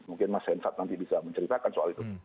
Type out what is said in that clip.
mungkin mas hensat nanti bisa menceritakan soal itu